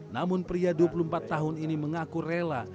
namun pria dua puluh empat tahun ini mengaku rela